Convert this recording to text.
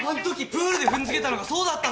プールで踏んづけたのがそうだったんだよ。